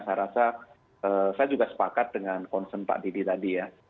saya rasa saya juga sepakat dengan concern pak didi tadi ya